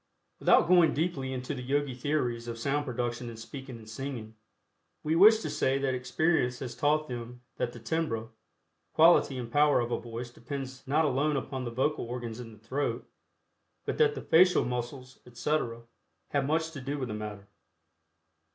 Without going deeply into the Yogi theories of sound production in speaking and singing, we wish to say that experience has taught them that the timbre, quality and power of a voice depends not alone upon the vocal organs in the throat, but that the facial muscles, etc., have much to do with the matter.